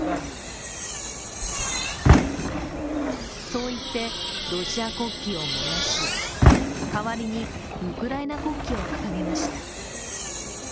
そう言ってロシア国旗を燃やし、代わりにウクライナ国旗を掲げました。